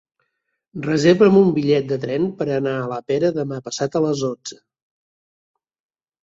Reserva'm un bitllet de tren per anar a la Pera demà passat a les dotze.